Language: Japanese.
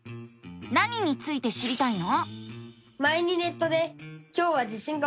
何について知りたいの？